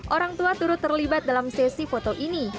orang tua turut terlibat dalam sesi foto ini